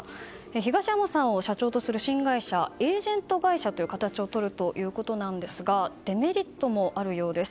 東山さんを社長とする新会社エージェント会社という形をとるそうですがデメリットもあるようです。